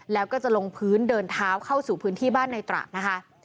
แล้วก็จะลงพื้นเดินเท้าเข้าสู่พื้นที่บ้านในตระนะคะ